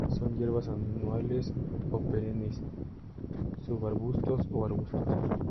Son hierbas anuales o perennes, subarbustos o arbustos.